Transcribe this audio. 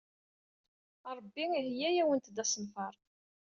Ṛebbi iheyya-awent-d asenfar.